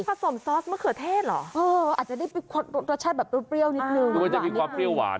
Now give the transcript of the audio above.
สมซอสมะเขือเทศเหรอเอออาจจะได้ไปคดรสชาติแบบเปรี้ยวนิดนึงหรือว่าจะมีความเปรี้ยวหวาน